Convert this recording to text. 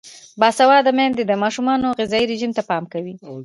باسواده میندې د ماشومانو غذايي رژیم ته پام کوي.